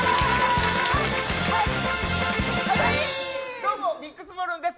どうも、ビックスモールンです。